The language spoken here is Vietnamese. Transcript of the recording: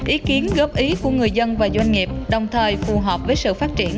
ý kiến góp ý của người dân và doanh nghiệp đồng thời phù hợp với sự phát triển